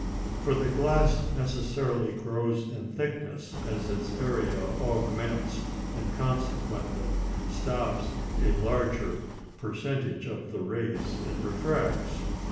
For the glass necessarily grows in thickness as its area augments, and consequently stops a larger percentage of the rays it refracts.